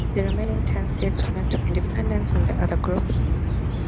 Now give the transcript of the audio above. The remaining ten seats went to independents and other groups.